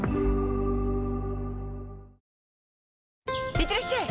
いってらっしゃい！